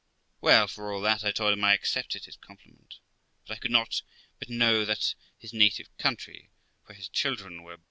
Well, for all that, I told him I accepted his compliment, but I could not but know that his native country, where his children were THE LIFE OF ROXANA 34!